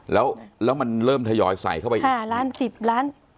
แล้วแล้วมันเริ่มทยอยใส่เข้าไปอีก๕ล้าน๑๐ล้าน